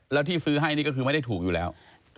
แล้วที่ซื้อให้นี่ก็คือไม่ได้ถูกอยู่แล้ว